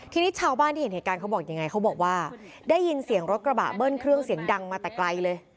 ทีนี้ชาวบ้านที่เห็นเหตุการณ์เขาบอกยังไงเขาบอกว่าได้ยินเสียงรถกระบะเบิ้ลเครื่องเสียงดังมาแต่ไกลเลย